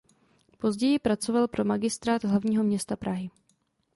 Později pracoval pro Magistrát hlavního města Prahy.